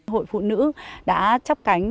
hội phụ nữ đã chấp cánh